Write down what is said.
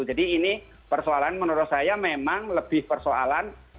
jadi ini persoalan menurut saya memang lebih persoalan